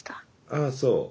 ああそう。